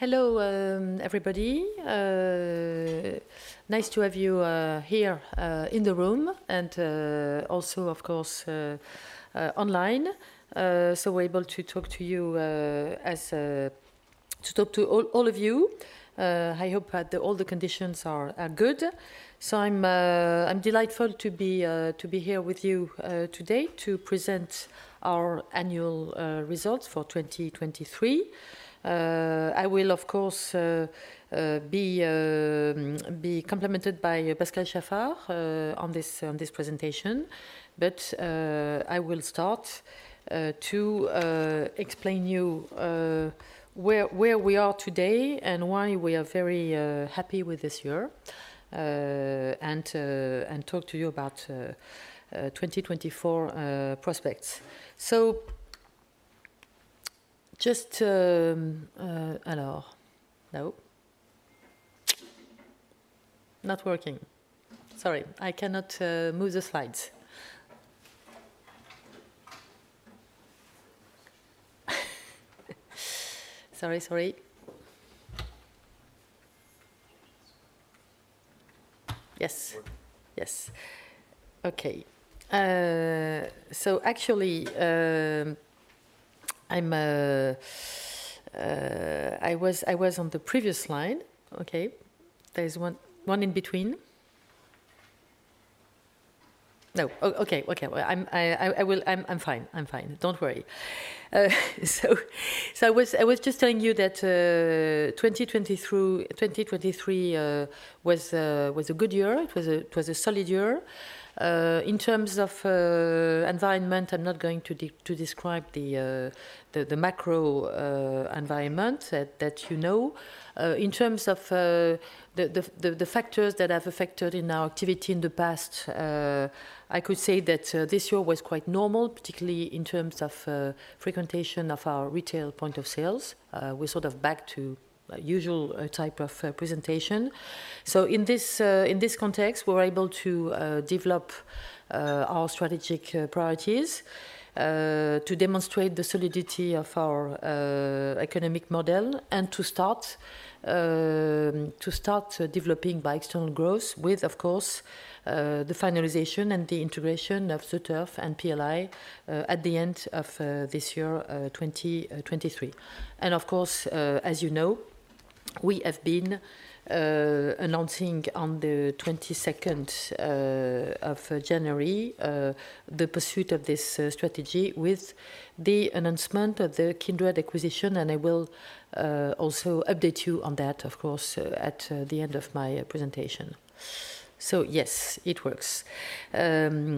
Hello, everybody. Nice to have you here in the room and also of course online. So we're able to talk to all of you. I hope all the conditions are good. So I'm delighted to be here with you today to present our annual results for 2023. I will, of course, be complemented by Pascal Chaffard on this presentation. But I will start to explain you where we are today, and why we are very happy with this year. And talk to you about 2024 prospects. So just hello. Not working. Sorry, I cannot move the slides. Sorry. Yes. Okay. So actually, I was on the previous slide. Okay. There's one in between. No. Oh, okay. Well, I'm fine. Don't worry. So, I was just telling you that, 2020 through 2023 was a good year. It was a solid year. In terms of environment, I'm not going to describe the macro environment that you know. In terms of the factors that have affected in our activity in the past, I could say that this year was quite normal, particularly in terms of frequentation of our retail point of sales. We're sort of back to a usual type of presentation. So in this context, we were able to develop our strategic priorities to demonstrate the solidity of our economic model, and to start developing by external growth with, of course, the finalization and the integration of ZEturf and PLI at the end of this year, 2023. And of course, as you know, we have been announcing on the 22nd of January the pursuit of this strategy with the announcement of the Kindred acquisition, and I will also update you on that, of course, at the end of my presentation. So yes, it works. To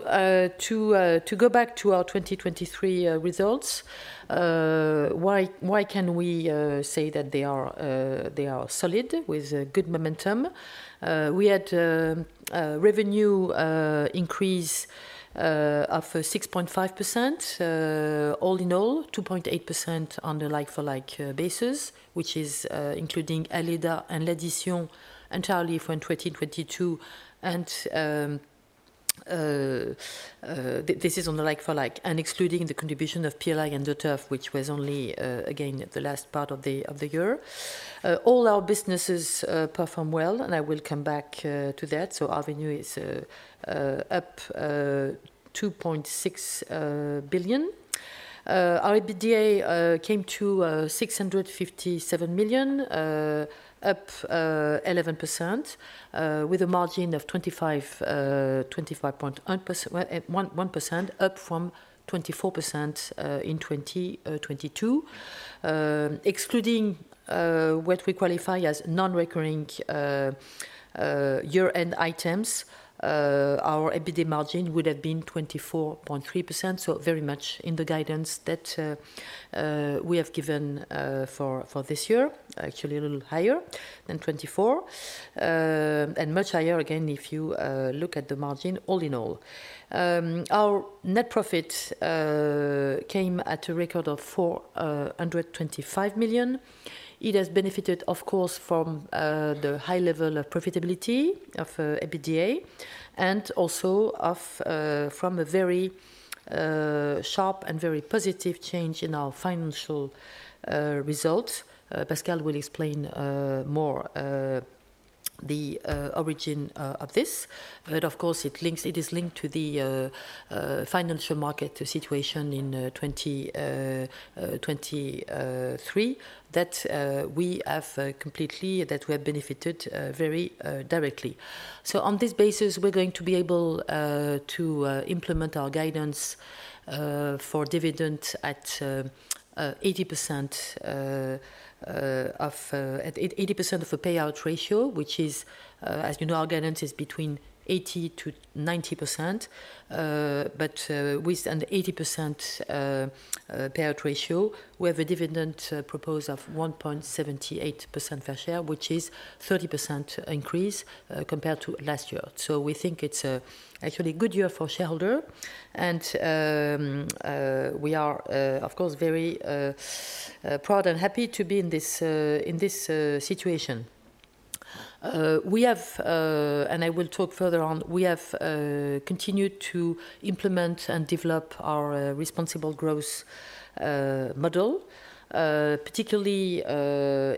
go back to our 2023 results, why can we say that they are solid with a good momentum? We had a revenue increase of 6.5%. All in all, 2.8% on the like-for-like basis, which is including Aleda and L'Addition entirely from 2022. And this is on the like-for-like, and excluding the contribution of PLI and ZEturf, which was only again at the last part of the year. All our businesses performed well, and I will come back to that. So our revenue is up 2.6 billion. Our EBITDA came to 657 million, up 11%, with a margin of 25, 25.1%, 1%, up from 24% in 2022. Excluding what we qualify as non-recurring year-end items, our EBITDA margin would have been 24.3%, so very much in the guidance that we have given for this year. Actually, a little higher than 24, and much higher again, if you look at the margin all in all. Our net profit came at a record of 425 million. It has benefited, of course, from the high level of profitability of EBITDA, and also from a very sharp and very positive change in our financial results. Pascal will explain more the origin of this. But of course, it is linked to the financial market situation in 2023 that we have completely benefited very directly. So on this basis, we're going to be able to implement our guidance for dividend at 80% of the payout ratio, which is, as you know, our guidance is between 80%-90%. But with an 80% payout ratio, we have a dividend proposal of 1.78 per share, which is 30% increase compared to last year. So we think it's actually a good year for shareholders, and we are of course very proud and happy to be in this situation. We have, and I will talk further on, we have continued to implement and develop our responsible growth model. Particularly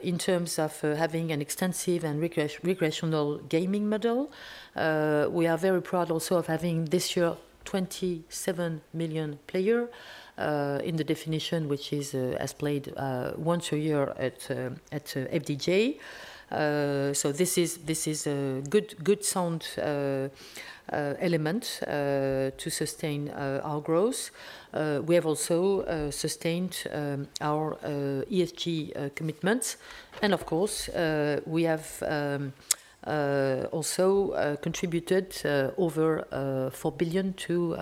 in terms of having an extensive and recreational gaming model. We are very proud also of having this year 27 million players in the definition which has played once a year at FDJ. So this is, this is a good, good sound element to sustain our growth. We have also sustained our ESG commitments. And of course, we have also contributed over 4 billion to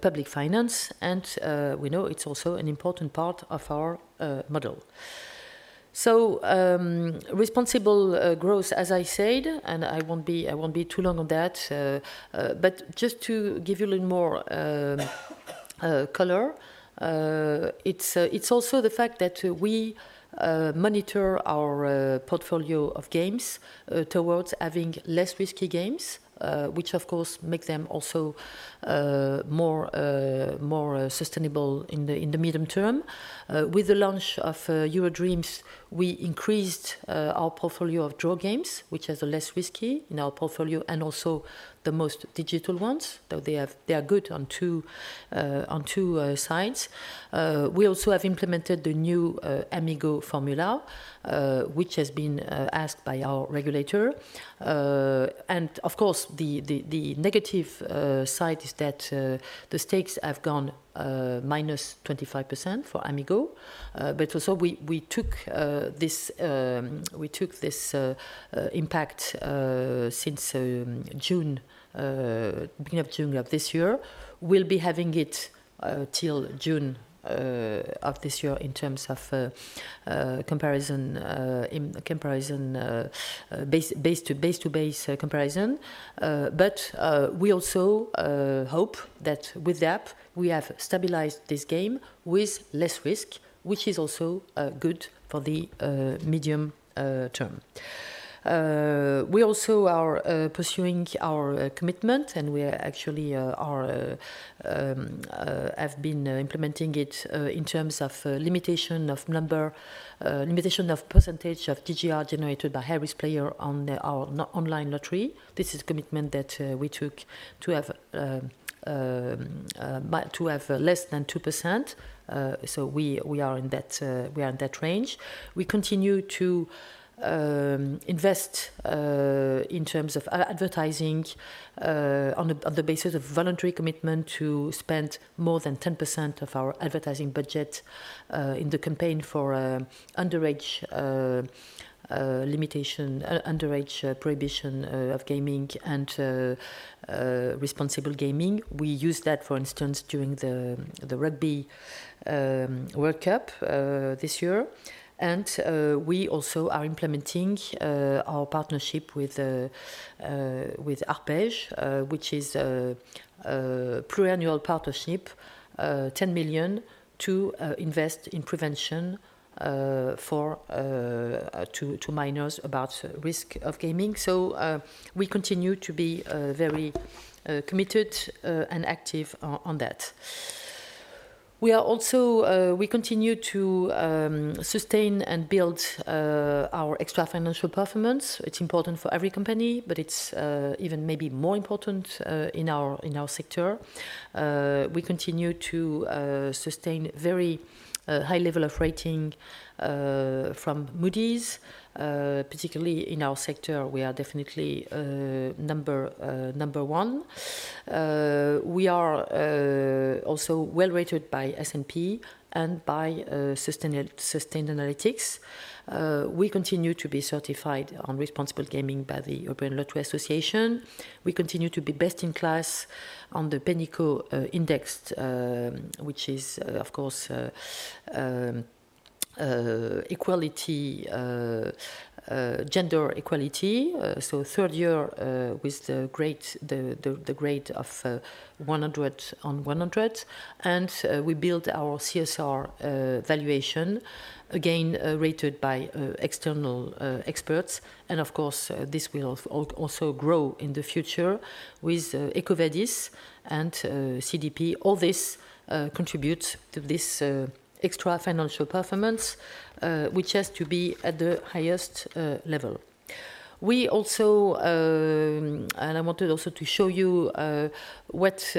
public finance, and we know it's also an important part of our model. So, responsible growth, as I said, and I won't be, I won't be too long on that. But just to give you a little more color, it's, it's also the fact that we monitor our portfolio of games towards having less risky games, which of course make them also more, more sustainable in the medium term. With the launch of EuroDreams, we increased our portfolio of draw games, which are the less risky in our portfolio, and also the most digital ones, though they are good on two sides. We also have implemented the new Amigo formula, which has been asked by our regulator. And of course, the negative side is that the stakes have gone minus 25% for Amigo. But also we took this impact since beginning of June of this year. We'll be having it till June of this year in terms of comparison, in comparison base-to-base comparison. But we also hope that with the app, we have stabilized this game with less risk, which is also good for the medium term. We also are pursuing our commitment, and we are actually implementing it in terms of limitation of number, limitation of percentage of DGR generated by high-risk player on our online lottery. This is a commitment that we took to have less than 2%. So we are in that range. We continue to invest in terms of advertising on the basis of voluntary commitment to spend more than 10% of our advertising budget in the campaign for underage limitation underage prohibition of gaming and responsible gaming. We used that, for instance, during the Rugby World Cup this year. We also are implementing our partnership with ARPEJ, which is a pre-annual partnership, 10 million to invest in prevention for to minors about risk of gaming. We continue to be very committed and active on that. We continue to sustain and build our extra financial performance. It's important for every company, but it's even maybe more important in our sector. We continue to sustain very high level of rating from Moody's. Particularly in our sector, we are definitely number one. We are also well-rated by S&P and by Sustainalytics. We continue to be certified on responsible gaming by the European Lottery Association. We continue to be best in class on the Pénicaud Index, which is, of course, gender equality. So third year with the great of 100 on 100. And we built our CSR valuation, again, rated by external experts. And of course, this will also grow in the future with EcoVadis and CDP. All this contributes to this extra financial performance, which has to be at the highest level. We also, and I wanted also to show you what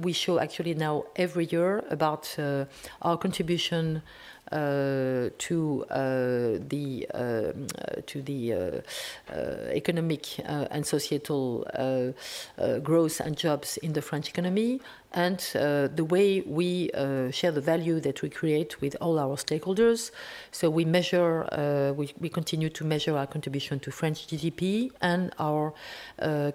we show actually now every year about our contribution to the economic and societal growth and jobs in the French economy, and the way we share the value that we create with all our stakeholders. So we measure, we continue to measure our contribution to French GDP and our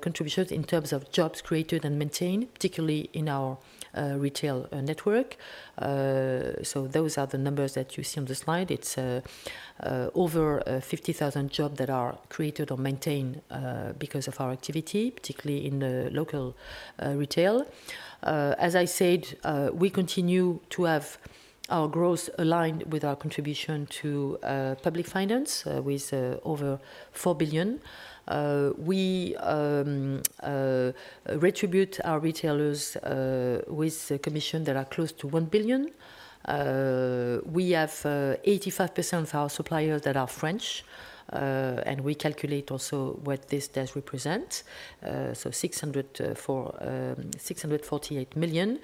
contributions in terms of jobs created and maintained, particularly in our retail network. So those are the numbers that you see on the slide. It's over 50,000 jobs that are created or maintained because of our activity, particularly in the local retail. As I said, we continue to have our growth aligned with our contribution to public finance with over 4 billion. We retribute our retailers with a commission that are close to 1 billion. We have 85% of our suppliers that are French, and we calculate also what this does represent. So 648 million.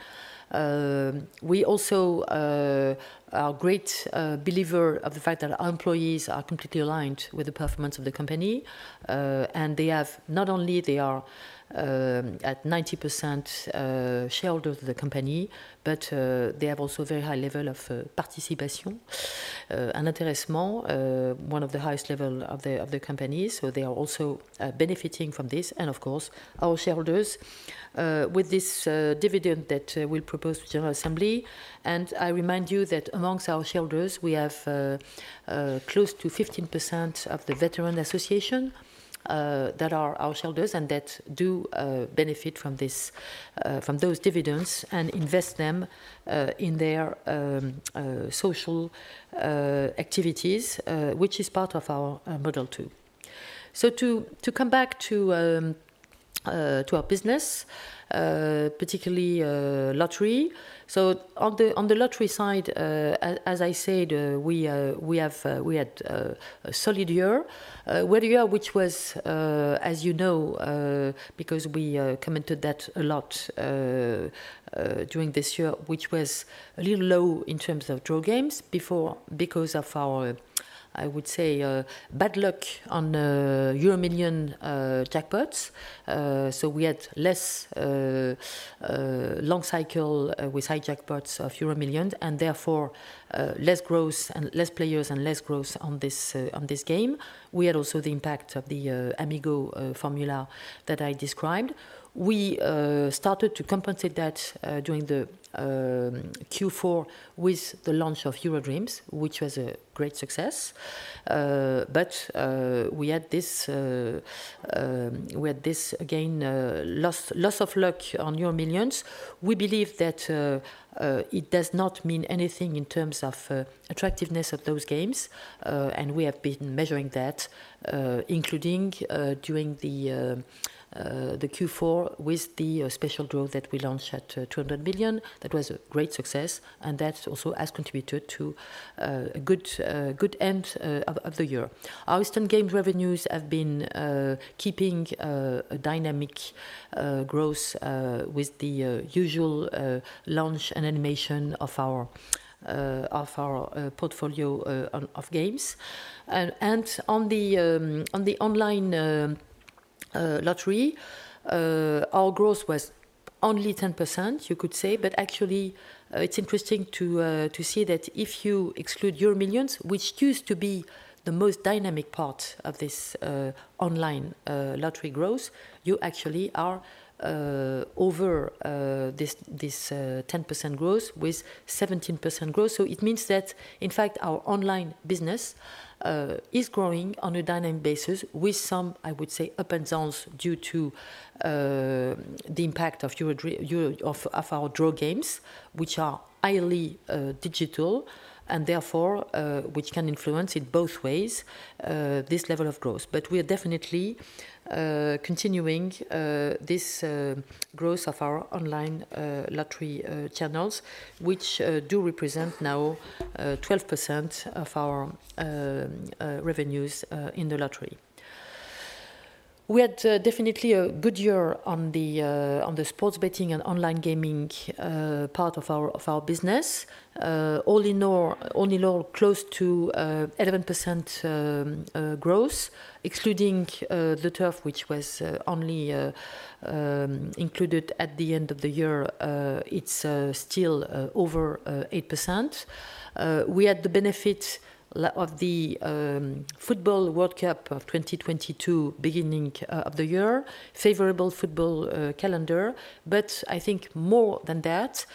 We also are great believer of the fact that our employees are completely aligned with the performance of the company. And they have not only they are at 90% shareholder of the company, but they have also very high level of participation and interest more one of the highest level of the company. So they are also benefiting from this, and of course, our shareholders with this dividend that we'll propose to general assembly. And I remind you that among our shareholders, we have close to 15% of the veteran association that are our shareholders and that do benefit from this from those dividends and invest them in their social activities which is part of our model too. So to come back to our business, particularly lottery. So on the lottery side, as I said, we had a solid year, which was, as you know, because we commented that a lot during this year, which was a little low in terms of draw games before because of our, I would say, bad luck on EuroMillions jackpots. So we had less long cycle with high jackpots of EuroMillions, and therefore, less growth and less players and less growth on this game. We had also the impact of the Amigo formula that I described. We started to compensate that during the Q4 with the launch of EuroDreams, which was a great success. But we had this again, loss of luck on EuroMillions. We believe that it does not mean anything in terms of attractiveness of those games. And we have been measuring that, including during the Q4 with the special draw that we launched at 200 million. That was a great success, and that also has contributed to a good end of the year. Our instant games revenues have been keeping a dynamic growth with the usual launch and animation of our portfolio of games. And on the online lottery, our growth was only 10%, you could say. But actually, it's interesting to see that if you exclude EuroMillions, which used to be the most dynamic part of this online lottery growth, you actually are over this 10% growth with 17% growth. So it means that, in fact, our online business is growing on a dynamic basis with some, I would say, up and downs, due to the impact of our draw games, which are highly digital and therefore which can influence it both ways this level of growth. But we are definitely continuing this growth of our online lottery channels, which do represent now 12% of our revenues in the lottery. We had definitely a good year on the sports betting and online gaming part of our business. All in all, all in all, close to 11% growth, excluding the turf, which was only included at the end of the year. It's still over 8%. We had the benefit of the Football World Cup of 2022 beginning of the year, favorable football calendar. But I think more than that,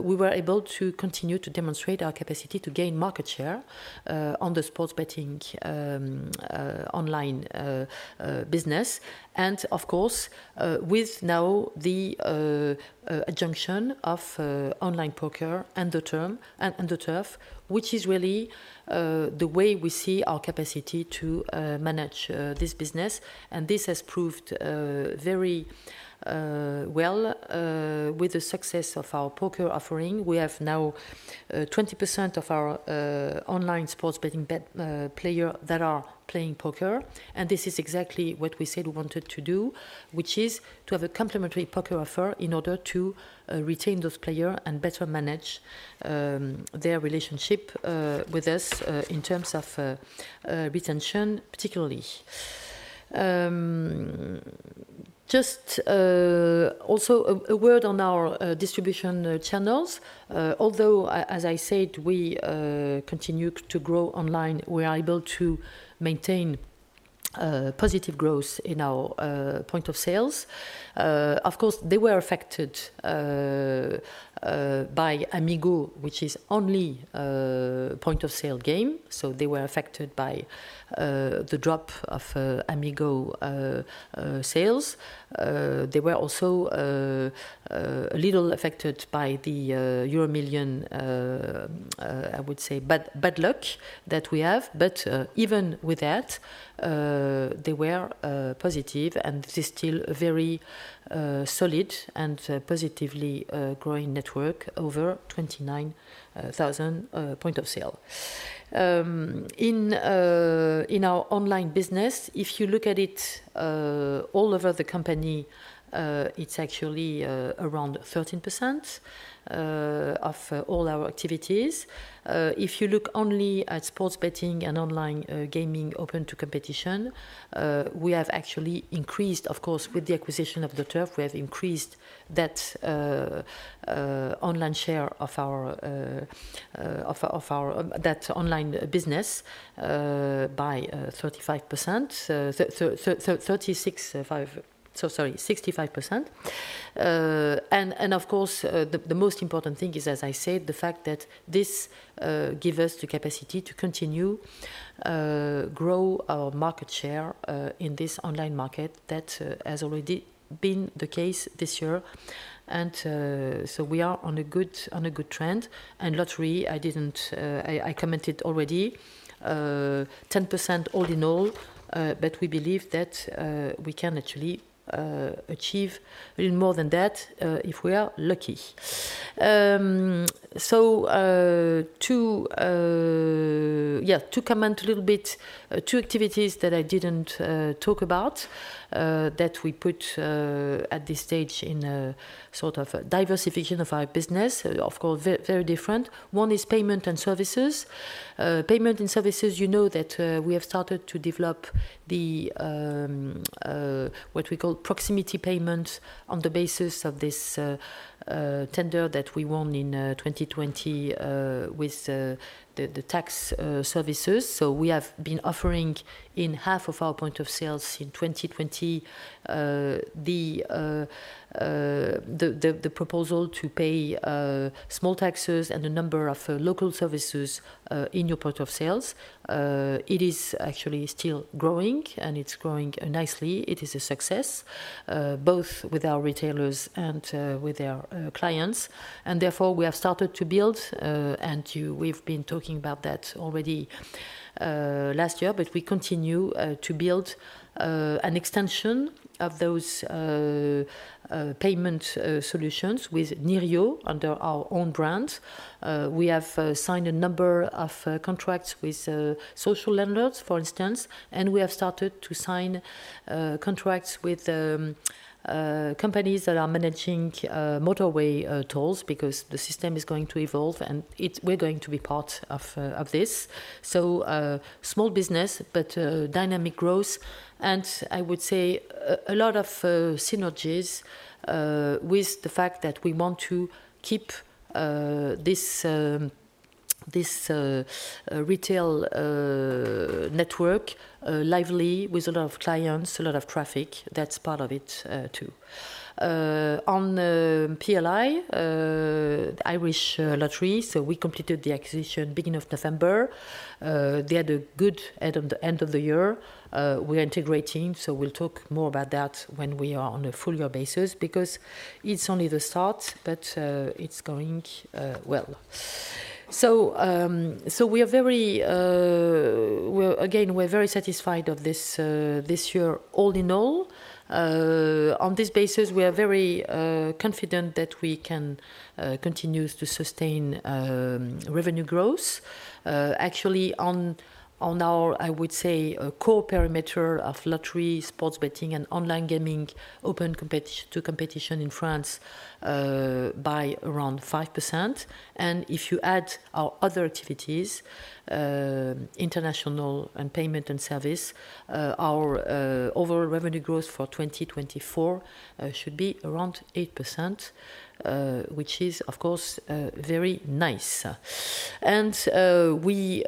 we were able to continue to demonstrate our capacity to gain market share on the sports betting online business. Of course, with now the junction of online poker and ZEturf, which is really the way we see our capacity to manage this business. This has proved very well with the success of our poker offering. We have now 20% of our online sports betting bet player that are playing poker, and this is exactly what we said we wanted to do, which is to have a complimentary poker offer in order to retain those player and better manage their relationship with us in terms of retention, particularly. Just also a word on our distribution channels. Although, as I said, we continue to grow online, we are able to maintain positive growth in our point of sales. Of course, they were affected by Amigo, which is only a point of sale game, so they were affected by the drop of Amigo sales. They were also a little affected by the EuroMillions, I would say bad, bad luck that we have. But even with that, they were positive, and this is still a very solid and positively growing network, over 29,000 point of sale. In our online business, if you look at it all over the company, it's actually around 13% of all our activities. If you look only at sports betting and online gaming open to competition, we have actually increased. Of course, with the acquisition of ZEturf, we have increased that online share of our online business by 35%. So sorry, 65%. And of course, the most important thing is, as I said, the fact that this give us the capacity to continue grow our market share in this online market that has already been the case this year. And so we are on a good trend. Lottery, I didn't. I commented already, 10% all in all, but we believe that we can actually achieve a little more than that if we are lucky. So, yeah, to comment a little bit, two activities that I didn't talk about that we put at this stage in a sort of diversification of our business, of course, very different. One is payment and services. Payment and services, you know that we have started to develop the what we call proximity payment on the basis of this tender that we won in 2020 with the tax services. So we have been offering in half of our points of sale in 2020 the proposal to pay small taxes and a number of local services in your points of sale. It is actually still growing, and it's growing nicely. It is a success both with our retailers and with their clients. And therefore, we have started to build. We've been talking about that already last year, but we continue to build an extension of those payment solutions with Nirio under our own brand. We have signed a number of contracts with social landlords, for instance, and we have started to sign contracts with companies that are managing motorway tolls, because the system is going to evolve, and it's, we're going to be part of this. So, small business, but a dynamic growth, and I would say a lot of synergies with the fact that we want to keep this retail network lively with a lot of clients, a lot of traffic. That's part of it, too. On the PLI, the Irish Lottery, so we completed the acquisition beginning of December. They had a good end of the end of the year. We're integrating, so we'll talk more about that when we are on a full year basis, because it's only the start, but it's going well. So, so we are very, we're again, we're very satisfied of this this year, all in all. On this basis, we are very confident that we can continue to sustain revenue growth. Actually, on our, I would say, core parameter of lottery, sports betting, and online gaming, open to competition in France, by around 5%. And if you add our other activities, international and payment and service, our overall revenue growth for 2024 should be around 8%, which is, of course, very nice. We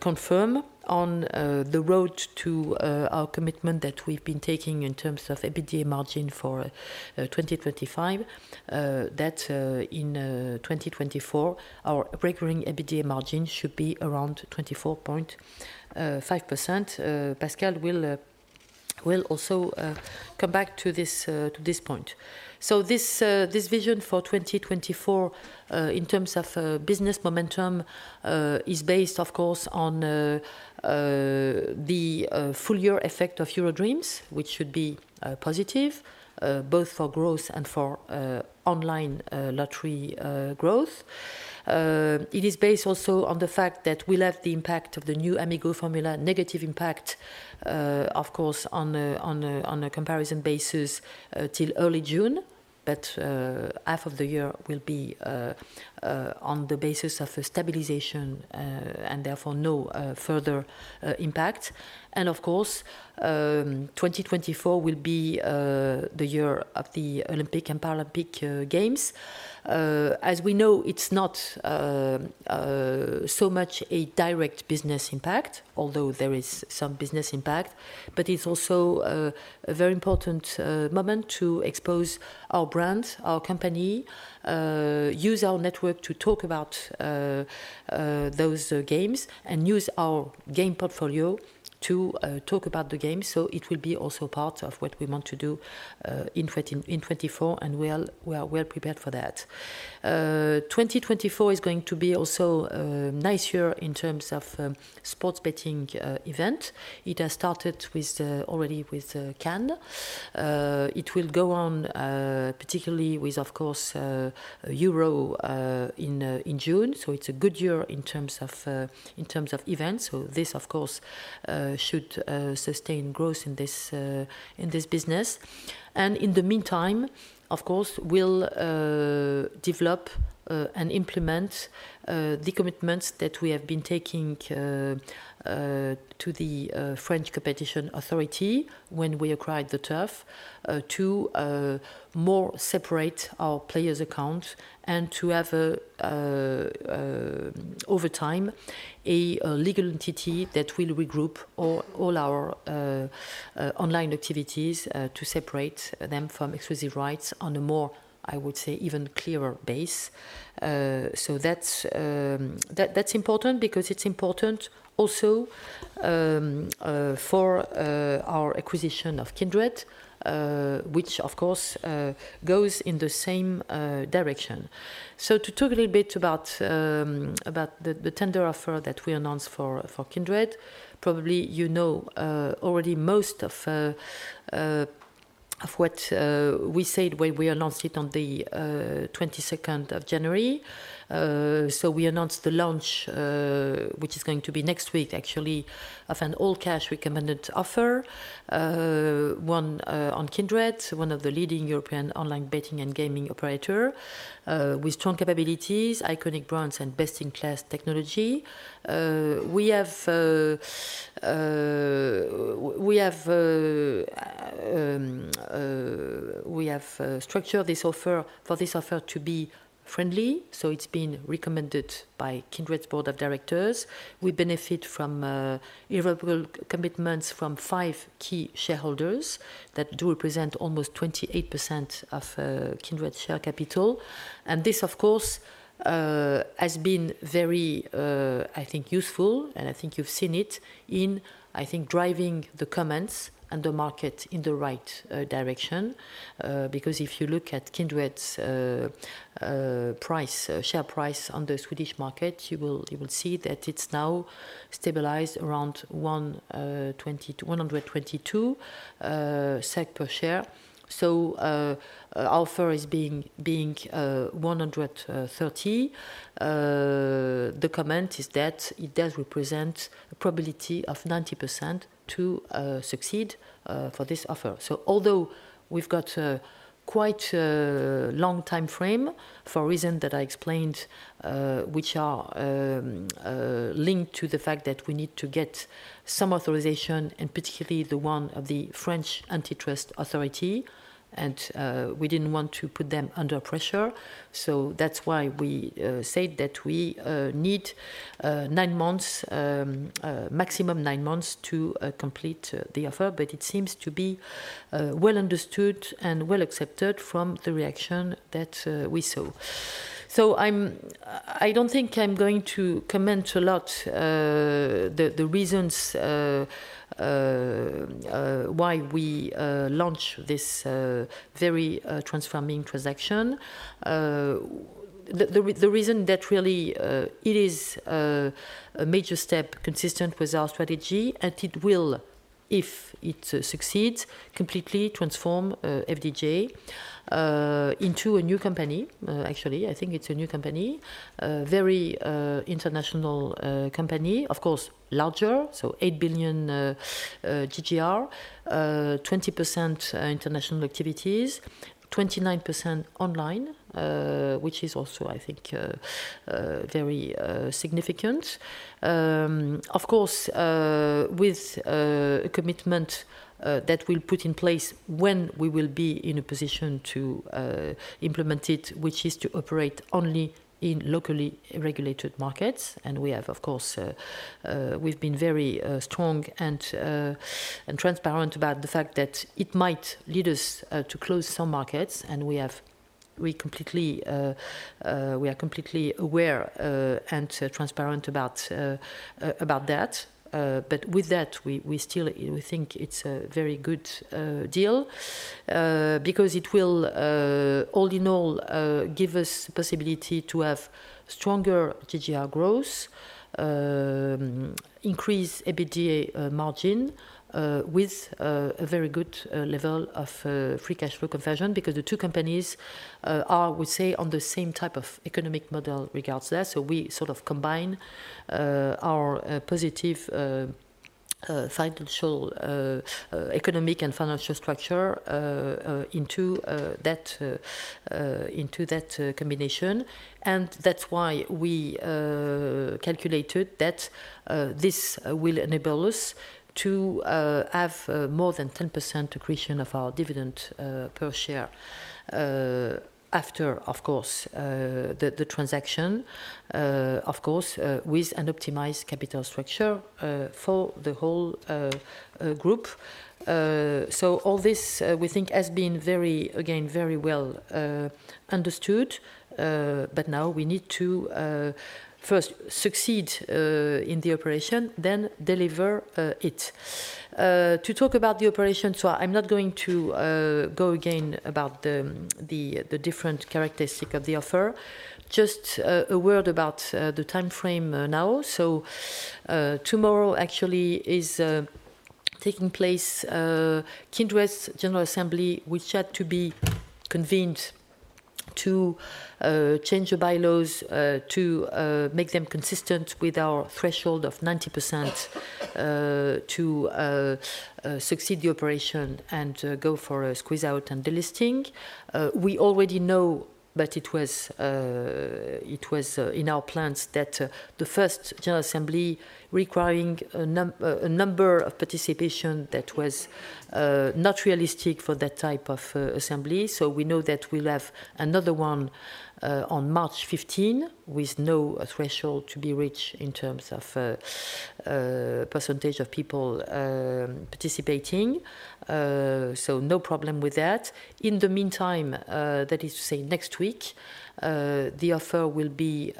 confirm on the road to our commitment that we've been taking in terms of EBITDA margin for 2025, that in 2024, our recurring EBITDA margin should be around 24.5%. Pascal will also come back to this point. So this vision for 2024, in terms of business momentum, is based, of course, on the full year effect of EuroDreams, which should be positive both for growth and for online lottery growth. It is based also on the fact that we'll have the impact of the new Amigo formula, negative impact, of course, on a comparison basis, till early June. Half of the year will be on the basis of a stabilization, and therefore no further impact. Of course, 2024 will be the year of the Olympic and Paralympic Games. As we know, it's not so much a direct business impact, although there is some business impact, but it's also a very important moment to expose our brand, our company, use our network to talk about those games, and use our game portfolio to talk about the game. So it will be also part of what we want to do in 2024, and we are well prepared for that. 2024 is going to be also a nice year in terms of sports betting event. It has started already with Cannes. It will go on, particularly with, of course, Euro in June. So it's a good year in terms of events. So this, of course, should sustain growth in this business. And in the meantime, of course, we'll develop and implement the commitments that we have been taking to the Autorité de la concurrence when we acquired ZEturf, to more separate our players' account and to have, over time, a legal entity that will regroup all our online activities, to separate them from exclusive rights on a more, I would say, even clearer base. So that's important because it's important also for our acquisition of Kindred, which of course goes in the same direction. So to talk a little bit about the tender offer that we announced for Kindred. Probably, you know, already most of what we said when we announced it on the 22nd of January. So we announced the launch, which is going to be next week, actually, of an all-cash recommended offer, one on Kindred, one of the leading European online betting and gaming operator, with strong capabilities, iconic brands, and best-in-class technology. We have structured this offer for this offer to be friendly, so it's been recommended by Kindred's board of directors. We benefit from irrevocable commitments from five key shareholders that do represent almost 28% of Kindred's share capital. And this, of course, has been very, I think, useful, and I think you've seen it in, I think, driving the comments and the market in the right direction. Because if you look at Kindred's share price on the Swedish market, you will see that it's now stabilized around 122 SEK per share. So our offer is being 130 SEK. The comment is that it does represent a probability of 90% to succeed for this offer. So although we've got quite a long timeframe for a reason that I explained, which are linked to the fact that we need to get some authorization, and particularly the one of the French Antitrust Authority, and we didn't want to put them under pressure. So that's why we said that we need nine months, maximum nine months to complete the offer. But it seems to be well understood and well accepted from the reaction that we saw. So I don't think I'm going to comment a lot the reasons why we launched this very transforming transaction. The reason that really it is a major step consistent with our strategy, and it will, if it succeeds, completely transform FDJ into a new company. Actually, I think it's a new company. Very international company, of course, larger, so 8 billion GGR, 20% international activities, 29% online, which is also, I think, very significant. Of course, with a commitment that we'll put in place when we will be in a position to implement it, which is to operate only in locally regulated markets. We have, of course, we've been very strong and transparent about the fact that it might lead us to close some markets, and we are completely aware and transparent about that. But with that, we still think it's a very good deal, because it will, all in all, give us possibility to have stronger GGR growth, increase EBITDA margin, with a very good level of free cash flow conversion, because the two companies are, I would say, on the same type of economic model regards there. So we sort of combine our positive financial economic and financial structure into that combination. That's why we calculated that this will enable us to have more than 10% accretion of our dividend per share. After, of course, the transaction, of course, with an optimized capital structure for the whole group. So all this we think has been very, again, very well understood, but now we need to first succeed in the operation, then deliver it. To talk about the operation, so I'm not going to go again about the different characteristic of the offer. Just a word about the timeframe now. So, tomorrow actually is taking place Kindred's general assembly, which had to be convened to change the bylaws to make them consistent with our threshold of 90% to succeed the operation and go for a squeeze-out and delisting. We already know that it was in our plans that the first general assembly requiring a number of participation that was not realistic for that type of assembly. So we know that we'll have another one on March 15, with no threshold to be reached in terms of percentage of people participating. So no problem with that. In the meantime, that is to say, next week, the offer will be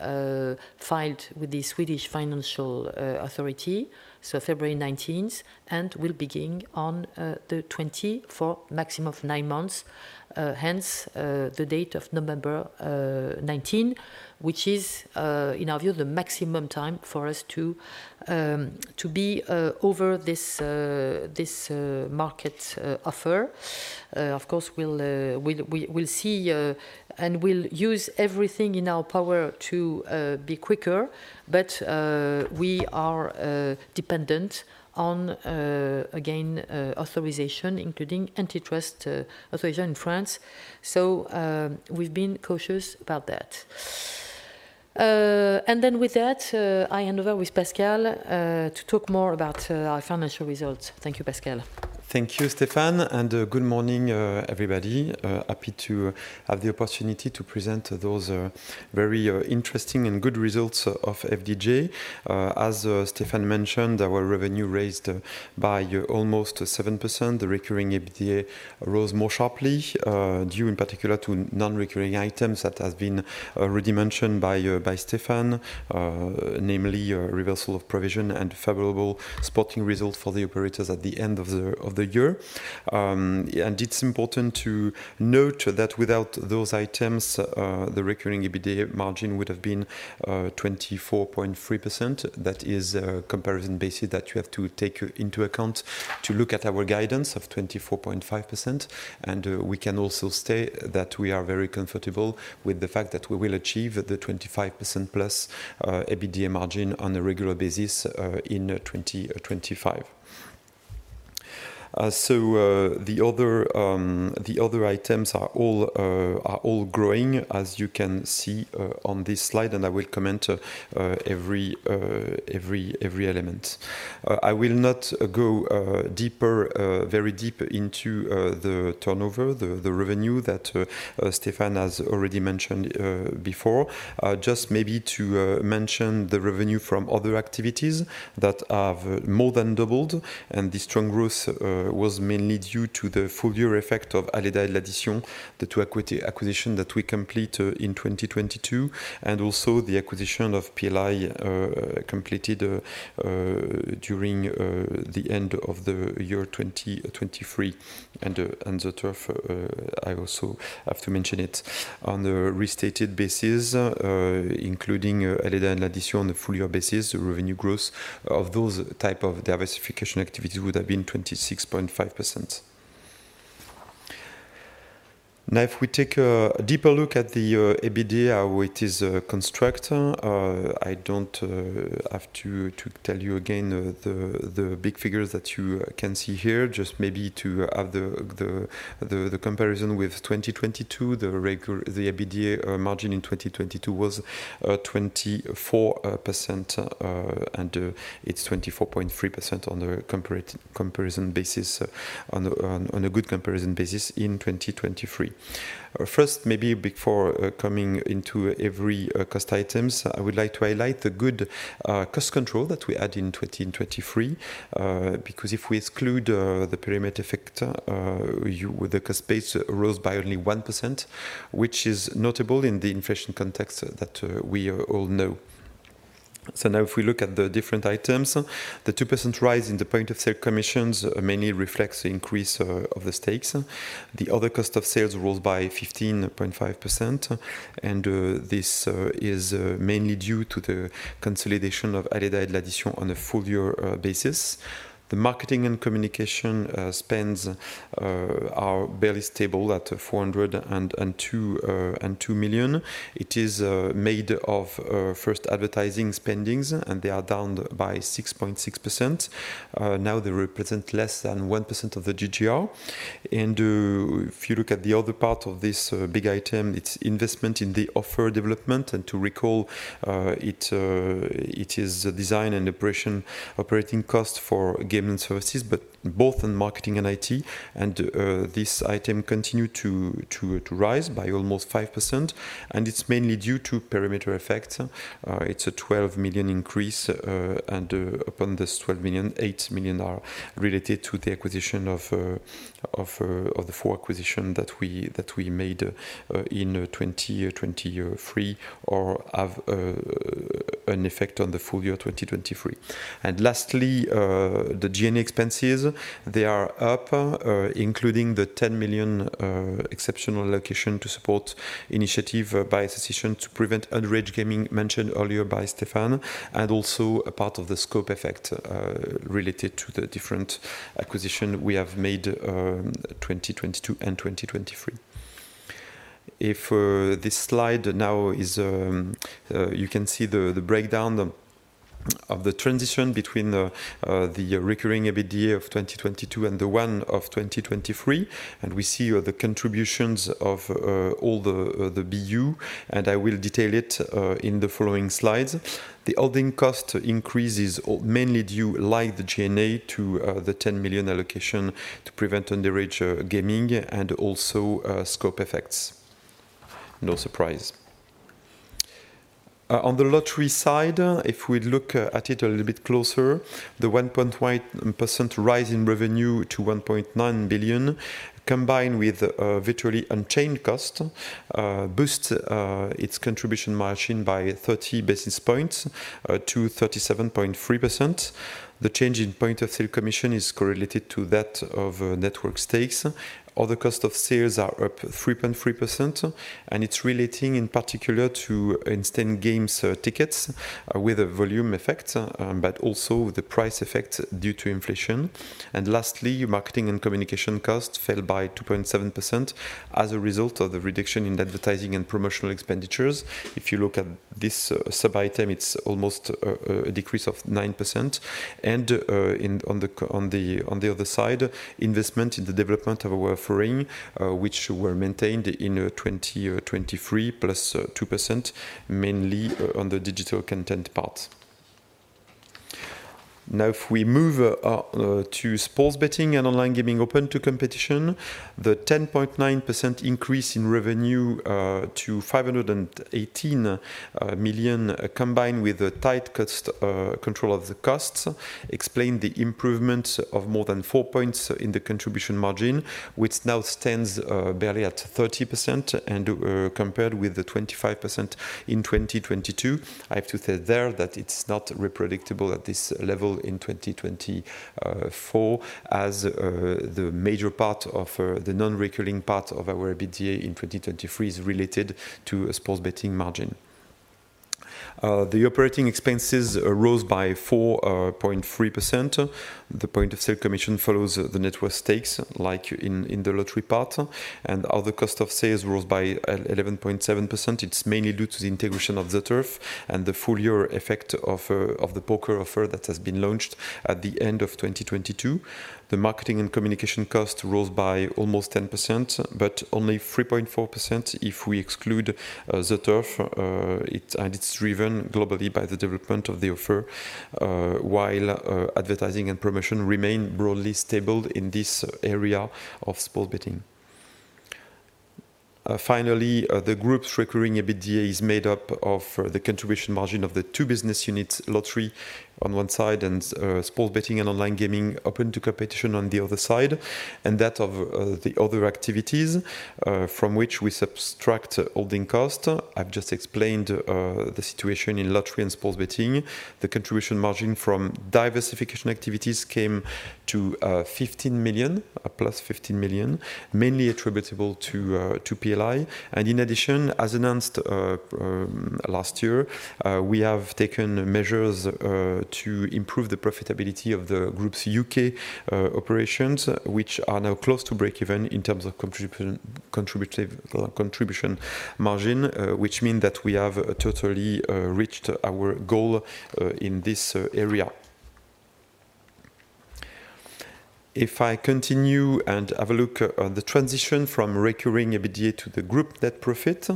filed with the Swedish Financial Authority, so February 19th, and will begin on the 20 for maximum of 9 months, hence the date of November 19. Which is, in our view, the maximum time for us to be over this market offer. Of course, we'll see, and we'll use everything in our power to be quicker, but we are dependent on again authorization, including antitrust authorization in France. So, we've been cautious about that. And then with that, I hand over with Pascal to talk more about our financial results. Thank you, Pascal. Thank you, Stéphane, and good morning, everybody. Happy to have the opportunity to present those very interesting and good results of FDJ. As Stéphane mentioned, our revenue raised by almost 7%. The recurring EBITDA rose more sharply, due in particular to non-recurring items that has been already mentioned by by Stéphane. Namely, a reversal of provision and favorable sporting results for the operators at the end of the year. And it's important to note that without those items, the recurring EBITDA margin would have been 24.3%. That is a comparison basis that you have to take into account to look at our guidance of 24.5%. We can also state that we are very comfortable with the fact that we will achieve the 25%+ EBITDA margin on a regular basis in 2025. The other items are all growing, as you can see on this slide, and I will comment every element. I will not go deeper, very deep into the turnover, the revenue that Stéphane has already mentioned before. Just maybe to mention the revenue from other activities that have more than doubled, and the strong growth was mainly due to the full year effect of Aleda and L'Addition, the two equity acquisition that we complete in 2022, and also the acquisition of PLI completed during the end of the year 2023. And the ZEturf, I also have to mention it. On a restated basis, including Aleda and L'Addition on a full year basis, the revenue growth of those type of diversification activities would have been Now, if we take a deeper look at the EBITDA, how it is constructed, I don't have to tell you again the big figures that you can see here, just maybe to have the comparison with 2022. The recur-- the EBITDA margin in 2022 was 24%, and it's 24.3% on a comparison basis, on a good comparison basis in 2023. First, maybe before coming into every cost items, I would like to highlight the good cost control that we had in 2023. Because if we exclude the perimeter effect, you, the cost base rose by only 1%, which is notable in the inflation context that we all know. Now if we look at the different items, the 2% rise in the point of sale commissions mainly reflects the increase of the stakes. The other cost of sales rose by 15.5%, and this is mainly due to the consolidation of the acquisition of L'Addition on a full year basis. The marketing and communication spend is barely stable at 402 million. It is made up of, first, advertising spending, and they are down by 6.6%. Now they represent less than 1% of the GGR. If you look at the other part of this big item, it's investment in the offer development. To recall, it is a design and operating cost for game and services, but both in marketing and IT. This item continued to rise by almost 5%, and it's mainly due to parameter effects. It's a 12 million increase, and upon this 12 million, 8 million are related to the acquisition of the four acquisitions that we made in 2023, or have an effect on the full year 2023. Lastly, the G&A expenses, they are up, including the 10 million exceptional allocation to support initiative by a decision to prevent underage gaming mentioned earlier by Stéphane, and also a part of the scope effect related to the different acquisitions we have made, 2022 and 2023. If this slide now is, you can see the breakdown of the transition between the recurring EBITDA of 2022 and the one of 2023, and we see the contributions of all the BU, and I will detail it in the following slides. The other cost increases are mainly due, like the G&A, to the 10 million allocation to prevent underage gaming and also scope effects. No surprise. On the lottery side, if we look at it a little bit closer, the 1.1% rise in revenue to 1.9 billion, combined with virtually unchanged cost, boosts its contribution margin by 30 basis points to 37.3%. The change in point of sale commission is correlated to that of network stakes. Other cost of sales are up 3.3%, and it's relating in particular to instant games, tickets, with a volume effect, but also the price effect due to inflation. And lastly, marketing and communication costs fell by 2.7% as a result of the reduction in advertising and promotional expenditures. If you look at this sub-item, it's almost a decrease of 9%. And on the other side, investment in the development of our offering, which were maintained in 2023, plus 2%, mainly on the digital content part. Now, if we move to sports betting and online gaming open to competition, the 10.9% increase in revenue to 518 million, combined with a tight cost control of the costs, explain the improvement of more than four points in the contribution margin, which now stands barely at 30% and compared with the 25% in 2022. I have to say there that it's not repeatable at this level in 2024, as the major part of the non-recurring part of our EBITDA in 2023 is related to a sports betting margin. The operating expenses rose by 4.3%. The point of sale commission follows the network stakes, like in the lottery part, and other cost of sales rose by 11.7%. It's mainly due to the integration of the turf and the full year effect of the poker offer that has been launched at the end of 2022. The marketing and communication cost rose by almost 10%, but only 3.4% if we exclude the turf. It, and it's driven globally by the development of the offer, while advertising and promotion remain broadly stable in this area of sports betting. Finally, the group's recurring EBITDA is made up of the contribution margin of the two business units, lottery on one side and sports betting and online gaming open to competition on the other side, and that of the other activities, from which we subtract holding cost. I've just explained the situation in lottery and sports betting. The contribution margin from diversification activities came to 15 million + 15 million, mainly attributable to PLI. In addition, as announced last year, we have taken measures to improve the profitability of the group's UK operations, which are now close to breakeven in terms of contribution contributive contribution margin, which mean that we have totally reached our goal in this area. If I continue and have a look at the transition from recurring EBITDA to the group net profit,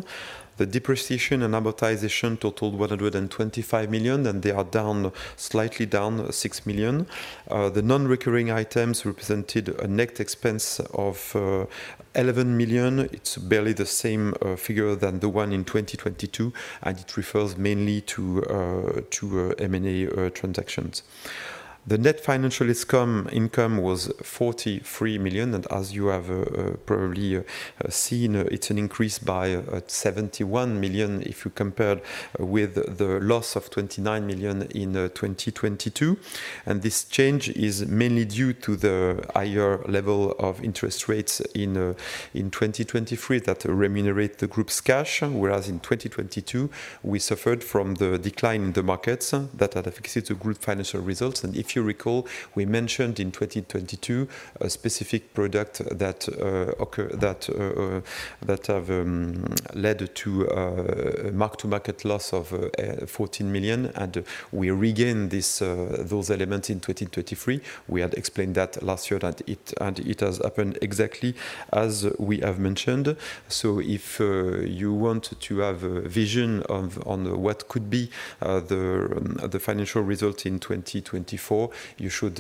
the depreciation and amortization totaled 125 million, and they are down, slightly down, 6 million. The non-recurring items represented a net expense of 11 million. It's barely the same figure than the one in 2022, and it refers mainly to M&A transactions. The net financial income was 43 million, and as you have probably seen, it's an increase by 71 million if you compare with the loss of 29 million in 2022. This change is mainly due to the higher level of interest rates in 2023 that remunerate the group's cash, whereas in 2022, we suffered from the decline in the markets that affected the group financial results. If you recall, we mentioned in 2022 a specific product that have led to mark-to-market loss of 14 million, and we regained this those elements in 2023. We had explained that last year, that it and it has happened exactly as we have mentioned. So if you want to have a vision of, on what could be, the financial result in 2024, you should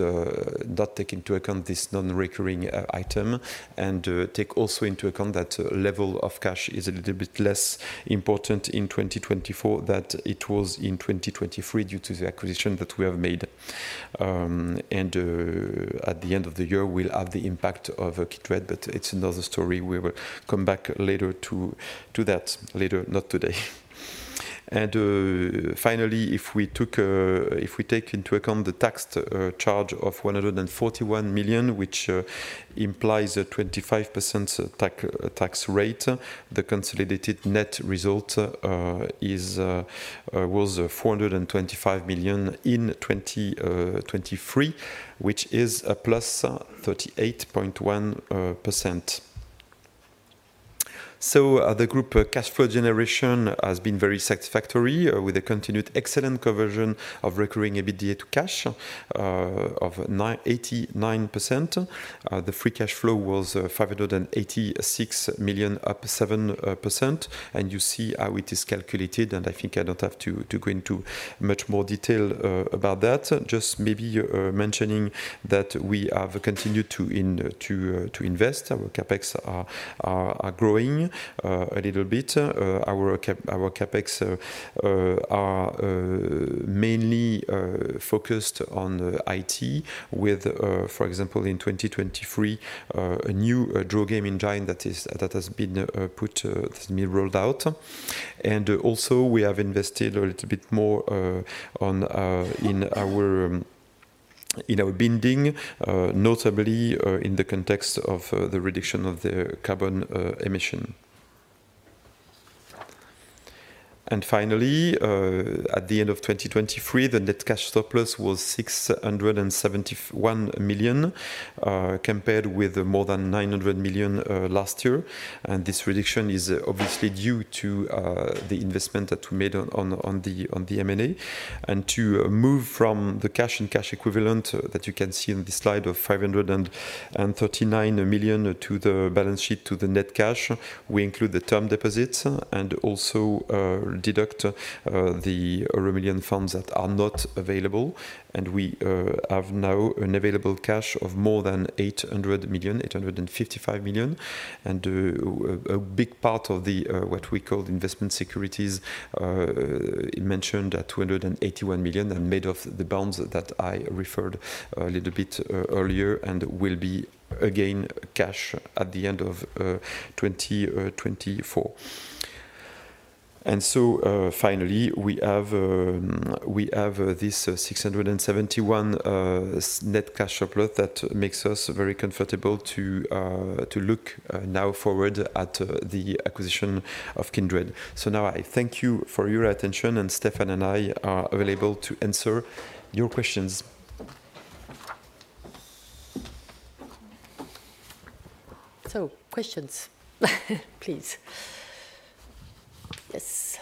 not take into account this non-recurring item. And take also into account that level of cash is a little bit less important in 2024 than it was in 2023 due to the acquisition that we have made. And at the end of the year, we'll have the impact of Kindred, but it's another story. We will come back later to that later, not today. Finally, if we take into account the tax charge of 141 million, which implies a 25% tax rate, the consolidated net result was 425 million in 2023, which is a +38.1%. So, the group cash flow generation has been very satisfactory, with a continued excellent conversion of recurring EBITDA to cash of 89%. The free cash flow was 586 million, up 7%. And you see how it is calculated, and I think I don't have to go into much more detail about that. Just maybe mentioning that we have continued to invest. Our CapEx are growing a little bit. Our CapEx are mainly focused on IT with, for example, in 2023, a new draw game engine that has been rolled out. And also, we have invested a little bit more in our building, notably in the context of the reduction of the carbon emission. And finally, at the end of 2023, the net cash surplus was 671 million compared with more than 900 million last year. And this reduction is obviously due to the investment that we made on the M&A. To move from the cash and cash equivalent that you can see on this slide of 539 million to the balance sheet to the net cash, we include the term deposits, and also deduct the EuroMillions funds that are not available. We have now an available cash of more than 800 million, 855 million. A big part of what we call investment securities, it's mentioned at 281 million and made of the bonds that I referred a little bit earlier and will be, again, cash at the end of 2024. Finally, we have this 671 net cash surplus that makes us very comfortable to look now forward at the acquisition of Kindred. So now I thank you for your attention, and Stéphane and I are available to answer your questions. So, questions, please. Yes.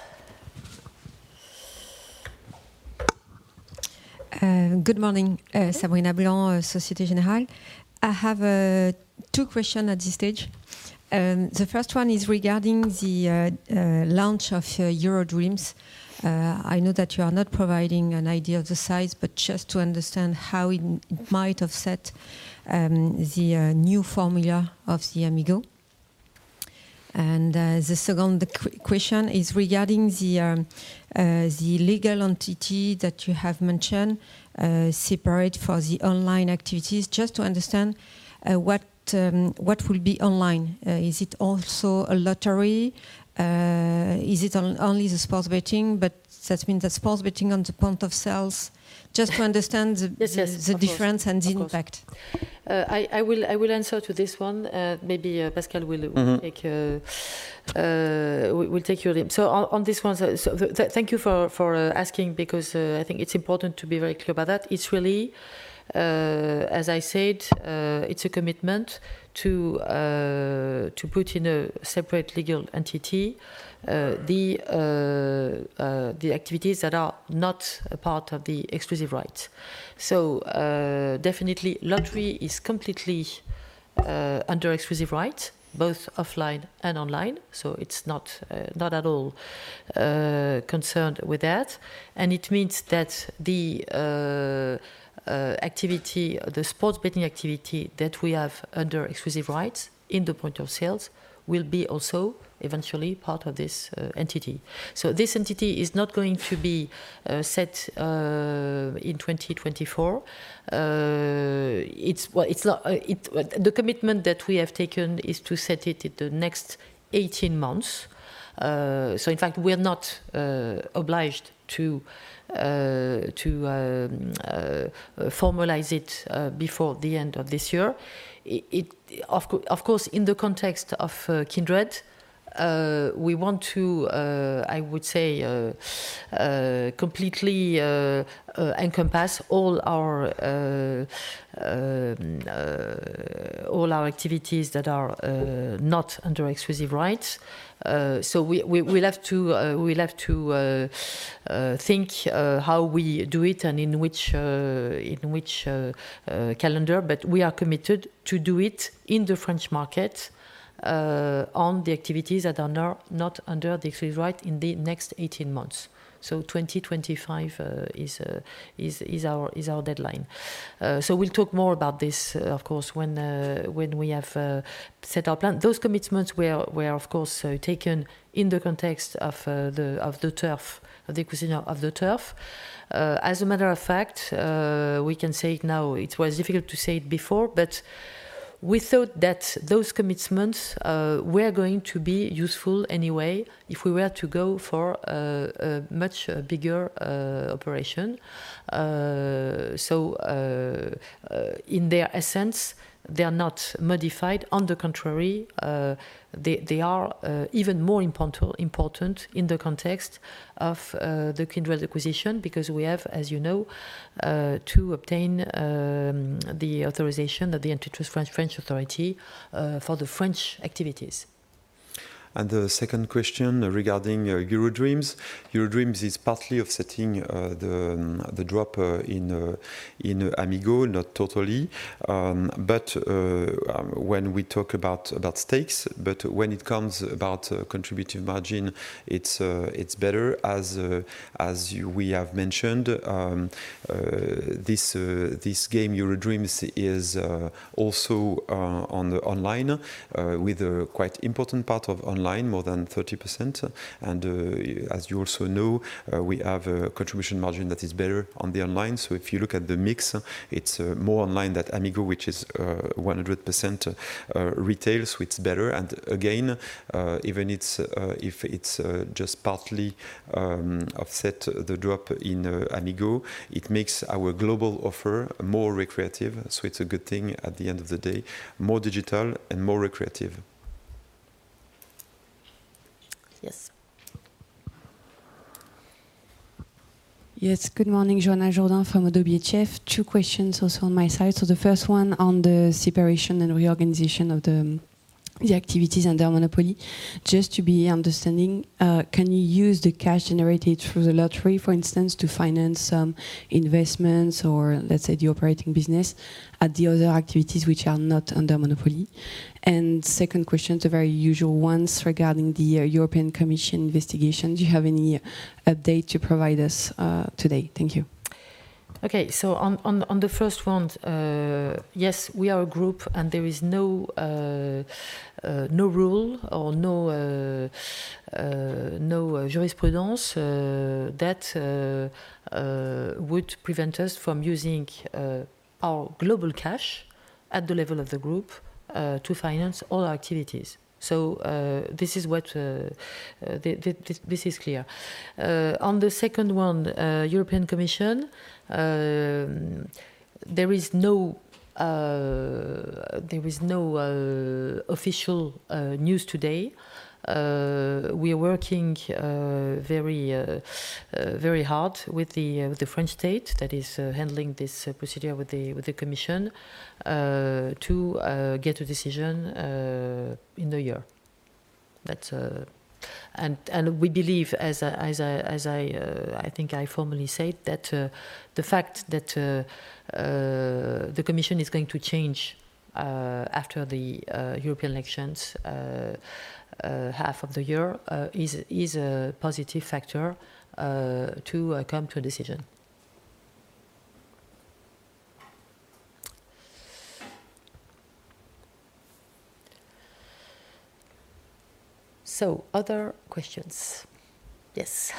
Good morning, Sabrina Blanc, Societe Generale. I have two question at this stage. The first one is regarding the launch of EuroDreams. I know that you are not providing an idea of the size, but just to understand how it might have set the new formula of the Amigo. The second question is regarding the legal entity that you have mentioned, separate for the online activities. Just to understand what will be online? Is it also a lottery? Is it only the sports betting, but that means the sports betting on the point of sales? Just to understand the difference and the impact. Of course. I will answer to this one. Maybe Pascal will take your lead. So on this one, so thank you for asking because I think it's important to be very clear about that. It's really, as I said, it's a commitment to put in a separate legal entity, the activities that are not a part of the exclusive rights. So definitely, lottery is completely under exclusive rights, both offline and online, so it's not at all concerned with that. And it means that the activity, the sports betting activity that we have under exclusive rights in the point of sales will be also eventually part of this entity. So this entity is not going to be set in 2024. It's, well, it's not. The commitment that we have taken is to set it in the next 18 months. So in fact, we are not obliged to formalize it before the end of this year. Of course, in the context of Kindred, we want to, I would say, completely encompass all our activities that are not under exclusive rights. So we will have to think how we do it and in which calendar. But we are committed to do it in the French market, on the activities that are not under the exclusive right in the next 18 months. So 2025 is our deadline. So we'll talk more about this, of course, when we have set our plan. Those commitments were of course taken in the context of the acquisition of ZEturf. As a matter of fact, we can say it now, it was difficult to say it before, but we thought that those commitments were going to be useful anyway if we were to go for a much bigger operation. So in their essence, they are not modified. On the contrary, they are even more important in the context of the Kindred acquisition, because we have, as you know, to obtain the authorization of the French Antitrust Authority for the French activities. And the second question regarding EuroDreams. EuroDreams is partly offsetting the drop in Amigo, not totally. But when we talk about stakes, but when it comes about contributive margin, it's better. As we have mentioned, this game, EuroDreams, is also on the online with a quite important part of online, more than 30%. And as you also know, we have a contribution margin that is better on the online. So if you look at the mix, it's more online than Amigo, which is 100% retail, so it's better. And again, even if it's just partly offset the drop in Amigo, it makes our global offer more recreative. It's a good thing at the end of the day, more digital and more recreational. Yes. Yes. Good morning, Johanna Jourdain from Oddo BHF. Two questions also on my side. So the first one on the separation and reorganization of the, the activities under Monopoly. Just to be understanding, can you use the cash generated through the lottery, for instance, to finance some investments or let's say, the operating business at the other activities which are not under Monopoly? And second question, the very usual ones regarding the, European Commission investigation. Do you have any update to provide us, today? Thank you. Okay. So on the first one, yes, we are a group and there is no rule or no jurisprudence that would prevent us from using our global cash at the level of the group to finance all our activities. So, this is what this is clear. On the second one, European Commission, there is no official news today. We are working very very hard with the French state that is handling this procedure with the commission to get a decision in the year. That's... And we believe as I think I formally said that the fact that the commission is going to change after the European elections half of the year is a positive factor to come to a decision. So other questions? Yes.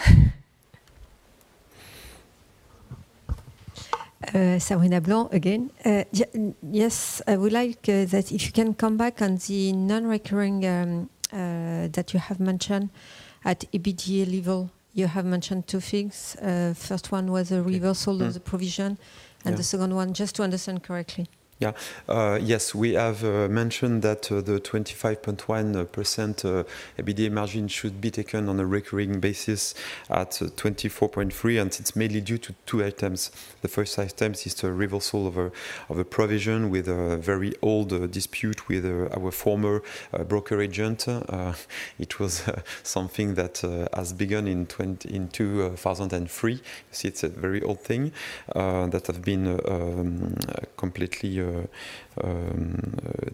Sabrina Blanc again. Yes, I would like that if you can come back on the non-recurring that you have mentioned at EBITDA level. You have mentioned two things. First one was a reversal of the provision. The second one, just to understand correctly. Yeah. Yes, we have mentioned that the 25.1% EBITDA margin should be taken on a recurring basis at 24.3%, and it's mainly due to two items. The first item is the reversal of a provision with a very old dispute with our former broker agent. It was something that has begun in 2003. So it's a very old thing that have been completely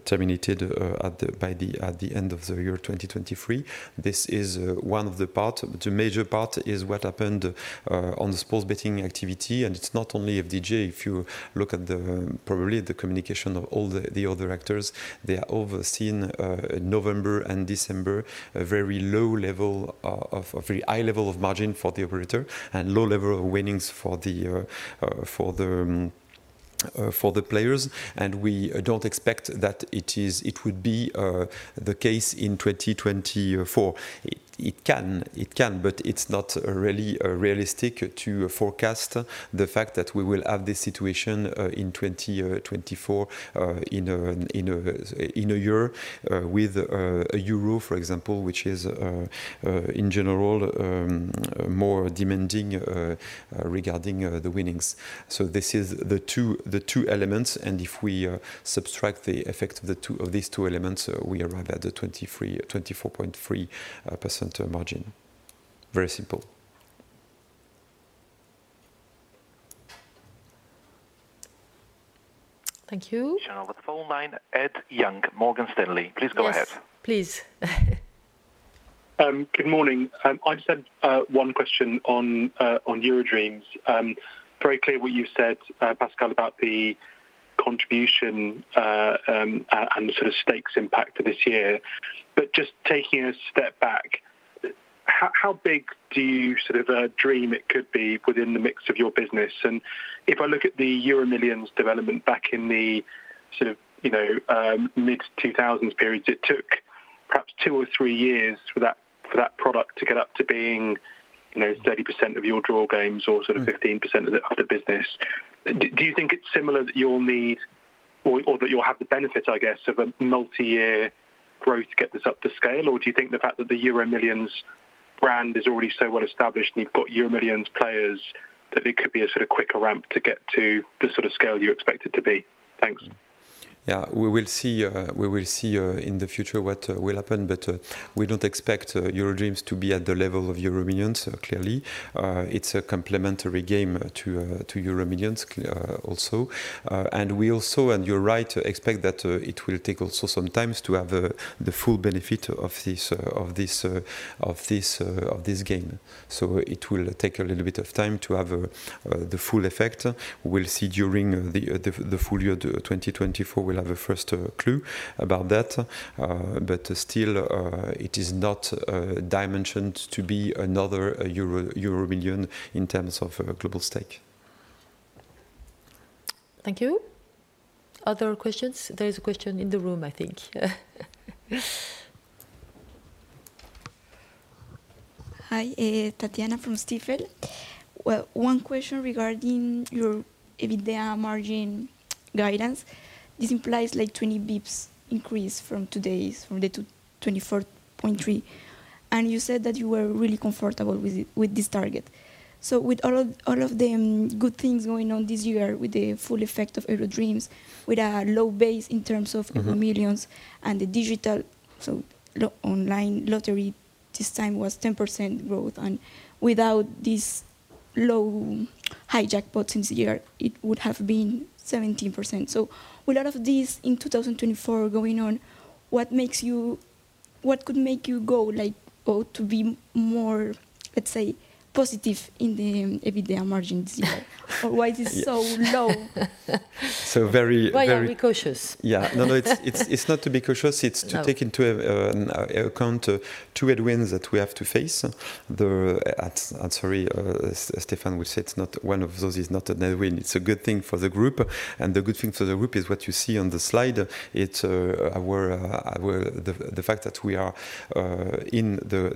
terminated at the end of the year 2023. This is one of the part. The major part is what happened on the sports betting activity, and it's not only FDJ. If you look at the, probably the communication of all the, the other actors, they are overseen, November and December, a very low level of, a very high level of margin for the operator and low level of winnings for the, for the players, and we don't expect that it is it would be, the case in 2024. It, it can, it can, but it's not really, realistic to forecast the fact that we will have this situation, in 2024, in a, in a, in a year, with, a Euro, for example, which is, in general, more demanding, regarding, the winnings. This is the two, the two elements, and if we subtract the effect of the two of these two elements, we arrive at the 23-24.3% margin. Very simple. Thank you. Channel with phone line, Ed Young, Morgan Stanley, please go ahead. Yes, please. Good morning. I've just one question on EuroDreams. Very clear what you said, Pascal, about the contribution and the sort of stakes impact of this year. But just taking a step back, how big do you sort of dream it could be within the mix of your business? And if I look at the EuroMillions development back in the sort of, you know, mid-2000s period, it took perhaps two or three years for that product to get up to being, you know, 30% of your draw games or sort of 15% of the other business. Do you think it's similar that you'll need or that you'll have the benefit, I guess, of a multi-year growth to get this up to scale? Or do you think the fact that the EuroMillions brand is already so well established, and you've got EuroMillions players, that it could be a sort of quicker ramp to get to the sort of scale you expect it to be? Thanks. Yeah. We will see in the future what will happen, but we don't expect EuroDreams to be at the level of EuroMillions, clearly. It's a complementary game to EuroMillions also. And we also, and you're right to expect that it will take also some time to have the full benefit of this game. So it will take a little bit of time to have the full effect. We'll see during the full year 2024, we'll have a first clue about that. But still, it is not dimensioned to be another EuroMillions in terms of global stake. Thank you. Other questions? There is a question in the room, I think. Hi, Tatiana from Stifel. Well, one question regarding your EBITDA margin guidance. This implies like 20 basis points increase from today's, from the 24.3, and you said that you were really comfortable with it, with this target. So with all of the good things going on this year, with the full effect of EuroDreams, with a low base in terms of EuroMillions and the digital, so low online lottery this time was 10% growth, and without this low jackpot since the year, it would have been 17%. So with a lot of these in 2024 going on, what could make you go, like, oh, to be more, let's say, positive in the EBITDA margins this year? Or why is it so low? So very, very- Why are we cautious? Yeah. No, no, it's not to be cautious- No It's to take into account two headwinds that we have to face. Sorry, Stéphane will say it's not one of those is not a headwind. It's a good thing for the group, and the good thing for the group is what you see on the slide. It's where the fact that we are in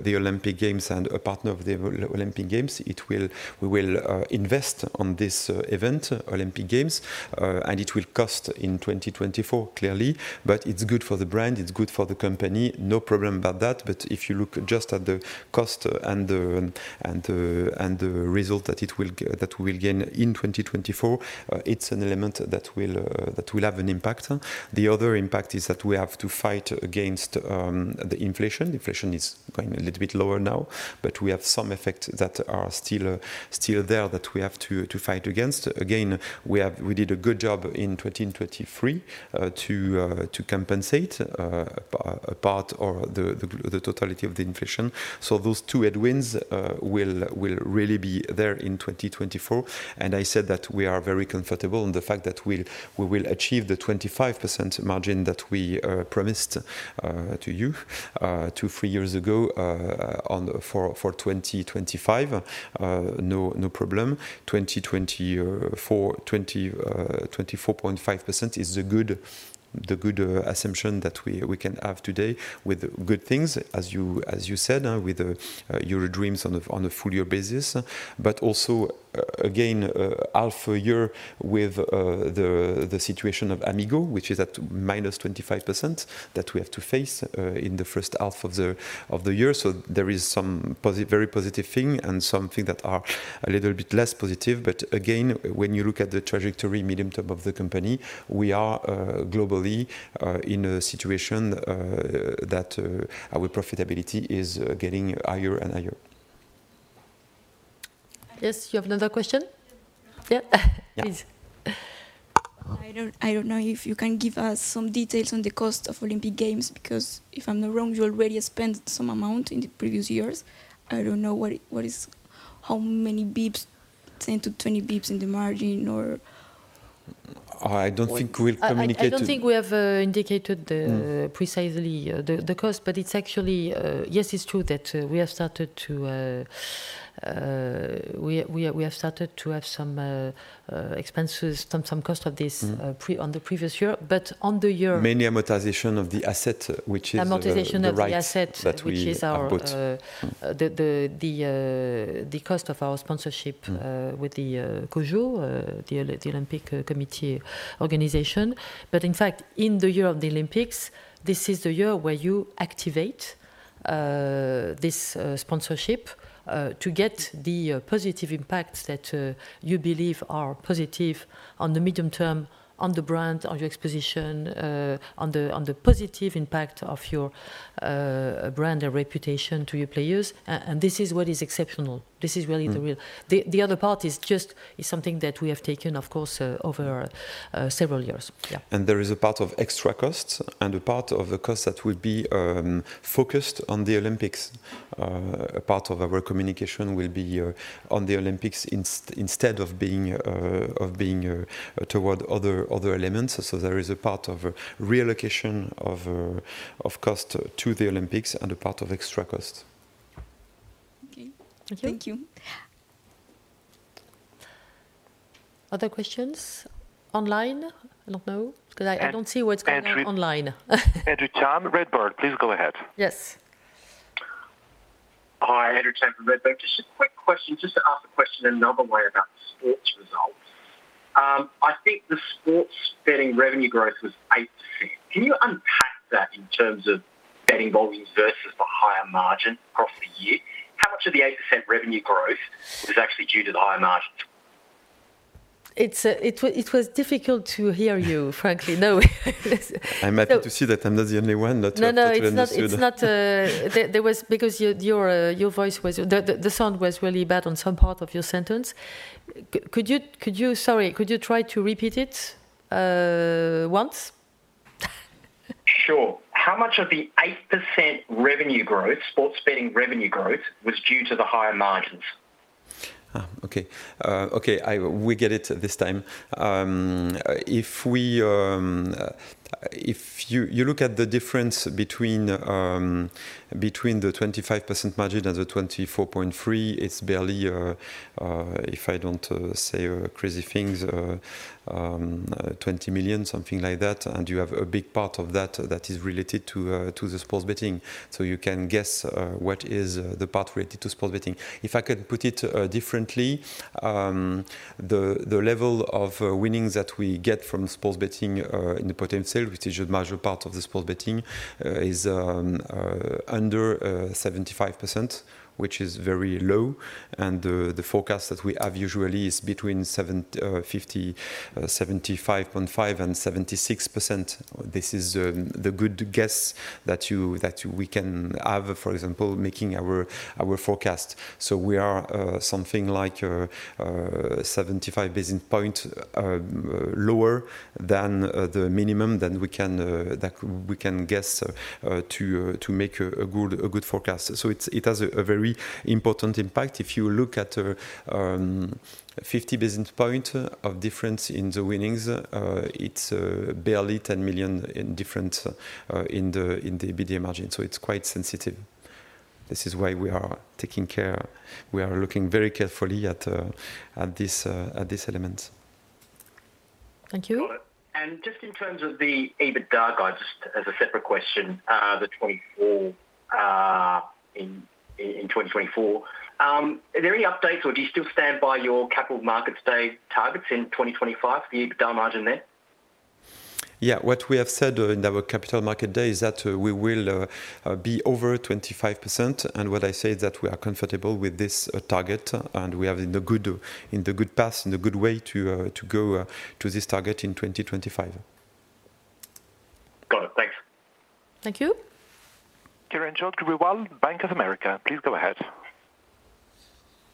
the Olympic Games and a partner of the Olympic Games, it will, we will invest on this event, Olympic Games, and it will cost in 2024, clearly. But it's good for the brand, it's good for the company, no problem about that. But if you look just at the cost and the result that we will gain in 2024, it's an element that will have an impact. The other impact is that we have to fight against the inflation. Inflation is going a little bit lower now, but we have some effects that are still there that we have to fight against. Again, we did a good job in 2023 to compensate a part or the totality of the inflation. So those two headwinds will really be there in 2024. I said that we are very comfortable in the fact that we'll, we will achieve the 25% margin that we promised to you two, three years ago for 2025. No, no problem. 2024, 24.5% is the good assumption that we can have today with good things, as you said, with EuroDreams on a full year basis. But also, again, half a year with the situation of Amigo, which is at -25%, that we have to face in the first half of the year. So there is some very positive things and some things that are a little bit less positive. But again, when you look at the trajectory medium term of the company, we are globally in a situation that our profitability is getting higher and higher. Yes, you have another question? Yeah, please. I don't, I don't know if you can give us some details on the cost of Olympic Games, because if I'm not wrong, you already spent some amount in the previous years. I don't know what is—how many basis points, 10-20 basis points in the margin. I don't think we'll communicate. I don't think we have indicated the precisely, the cost, but it's actually... yes, it's true that, we have started to have some expenses, some cost of this on the previous year. But on the year- Mainly amortization of the asset, which is the right. Amortization of the asset. That we have bought. Which is our, the cost of our sponsorship with the COJO, the Olympic Committee Organization. But in fact, in the year of the Olympics, this is the year where you activate this sponsorship to get the positive impacts that you believe are positive on the medium term, on the brand, on your exposition, on the positive impact of your brand and reputation to your players. And this is what is exceptional. This is really the other part is just something that we have taken, of course, over several years. Yeah. There is a part of extra costs and a part of the cost that will be focused on the Olympics. A part of our communication will be on the Olympics instead of being toward other elements. So there is a part of reallocation of cost to the Olympics and a part of extra cost. Okay. Thank you. Thank you. Other questions online? I don't know, because I, I don't see what's going on online. Andrew Tam, Redburn, please go ahead. Yes. Hi, Andrew Tam from Redburn. Just a quick question, just to ask a question another way about the sports results. I think the sports betting revenue growth was 8%. Can you unpack that in terms of betting volumes versus the higher margin across the year? How much of the 8% revenue growth is actually due to the higher margins? It was difficult to hear you, frankly. No. I'm happy to see that I'm not the only one that not understood. The sound was really bad on some part of your sentence. Sorry, could you try to repeat it once? Sure. How much of the 8% revenue growth, sports betting revenue growth, was due to the higher margins? Ah, okay. Okay, we get it this time. If you look at the difference between the 25% margin and the 24.3%, it's barely, if I don't say crazy things, 20 million, something like that. And you have a big part of that that is related to the sports betting. So you can guess what is the part related to sports betting. If I could put it differently, the level of winnings that we get from sports betting in the potential, which is a major part of the sports betting, is under 75%, which is very low. And the forecast that we have usually is between 75.5% and 76%. This is the good guess that we can have, for example, making our forecast. So we are something like 75 basis point lower than the minimum that we can guess to make a good forecast. So it has a very important impact. If you look at 50 basis point of difference in the winnings, it's barely 10 million in difference in the EBITDA margin, so it's quite sensitive. This is why we are taking care. We are looking very carefully at this element. Thank you. Got it. And just in terms of the EBITDA guide, just as a separate question, the 2024, in 2024, are there any updates, or do you still stand by your Capital Markets Day targets in 2025, the EBITDA margin there? Yeah. What we have said in our Capital Markets Day is that we will be over 25%, and what I say that we are comfortable with this target, and we are in the good path, in the good way to go to this target in 2025. Got it. Thanks. Thank you. Kiran Johri, Bank of America, please go ahead.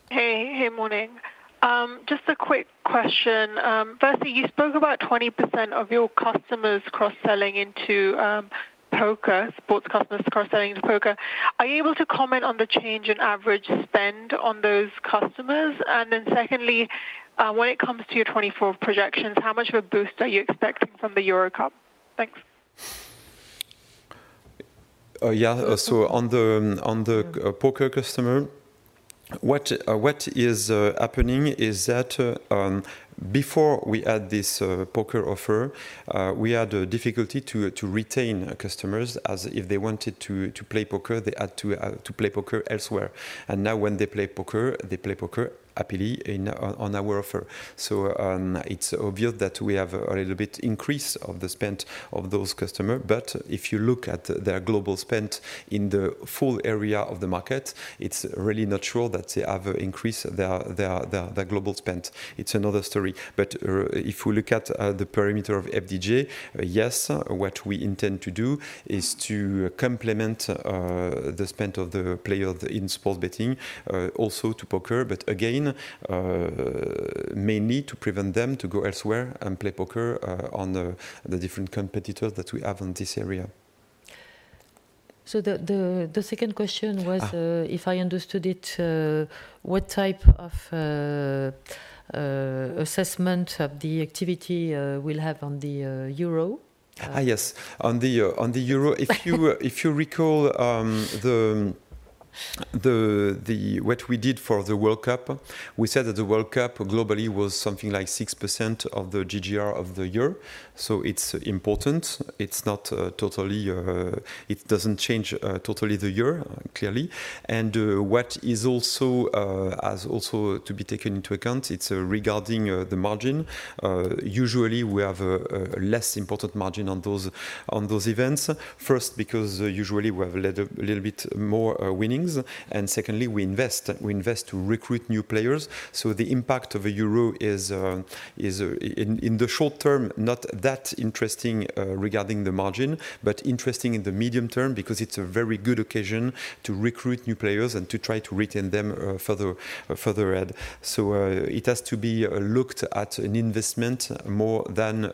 Hey, hey, morning. Just a quick question. Firstly, you spoke about 20% of your customers cross-selling into poker, sports customers cross-selling into poker. Are you able to comment on the change in average spend on those customers? And then secondly, when it comes to your 2024 projections, how much of a boost are you expecting from the Euro Cup? Thanks. Yeah, so on the poker customer, what is happening is that, before we had this poker offer, we had a difficulty to retain customers, as if they wanted to play poker, they had to play poker elsewhere. And now when they play poker, they play poker happily on our offer. So, it's obvious that we have a little bit increase of the spend of those customer, but if you look at their global spend in the full area of the market, it's really not sure that they have increased their global spend. It's another story. But, if we look at the parameter of FDJ, yes, what we intend to do is to complement the spend of the player in sports betting, also to poker. But again, mainly to prevent them to go elsewhere and play poker on the different competitors that we have on this area. So the second question was, if I understood it, what type of assessment of the activity we'll have on the Euro? Ah, yes. On the Euro- if you recall, what we did for the World Cup, we said that the World Cup globally was something like 6% of the GGR of the year. So it's important. It's not totally; it doesn't change totally the year, clearly. And what is also to be taken into account, it's regarding the margin. Usually, we have a less important margin on those events. First, because usually we have a little bit more winnings, and secondly, we invest. We invest to recruit new players. So the impact of the Euro is in the short term not that interesting regarding the margin, but interesting in the medium term, because it's a very good occasion to recruit new players and to try to retain them further ahead. So it has to be looked at an investment more than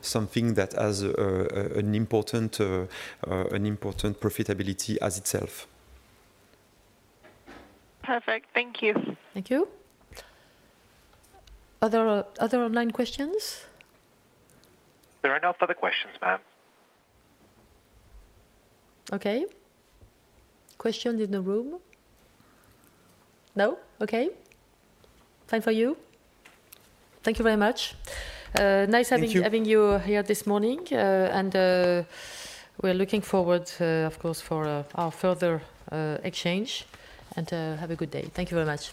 something that has an important profitability as itself. Perfect. Thank you. Thank you. Other, other online questions? There are no further questions, ma'am. Okay. Questions in the room? No. Okay. Fine for you. Thank you very much. Thank you Nice having you here this morning. And, we're looking forward, of course, for, our further, exchange. And, have a good day. Thank you very much.